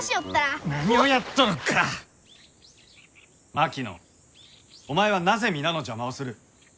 槙野お前はなぜ皆の邪魔をする？